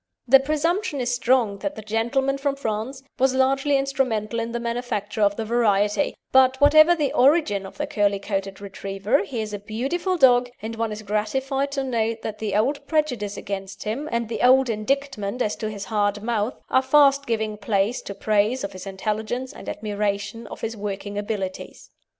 The presumption is strong that the "gentleman from France" was largely instrumental in the manufacture of the variety, but whatever the origin of the curly coated Retriever he is a beautiful dog, and one is gratified to note that the old prejudice against him, and the old indictment as to his hard mouth, are fast giving place to praise of his intelligence and admiration of his working abilities.